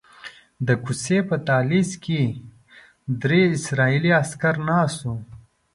د کوڅې په دهلیز کې درې اسرائیلي عسکر ناست وو.